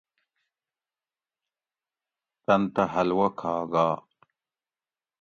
تن تہ حلوہ کھا گا